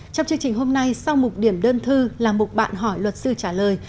trong chương trình hôm nay sau một điểm đơn thư là một bạn hỏi luật sư trả lời